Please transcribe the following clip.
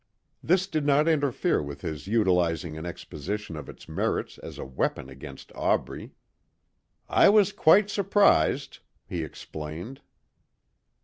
This did not interfere with his utilizing an exposition of its merits as a weapon against Aubrey. "I was quite surprised," he explained.